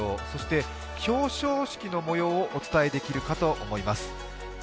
そして表彰式の模様をお伝えできるかと思います。